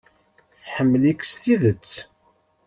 Tḥemmel-ik s tidet.